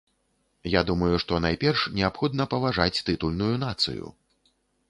Я думаю, што найперш неабходна паважаць тытульную нацыю.